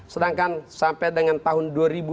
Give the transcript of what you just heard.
sedangkan sampai dengan tahun